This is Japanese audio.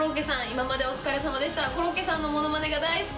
今までお疲れさまでした。